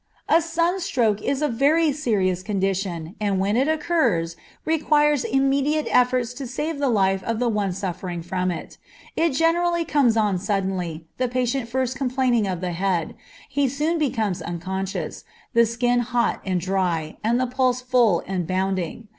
_ A sunstroke is a very serious condition, and when it occurs, requires immediate efforts to save the life of the one suffering from it. It generally comes on suddenly, the patient first complaining of the head; he soon becomes unconscious, the skin hot and dry, and the pulse full and bounding.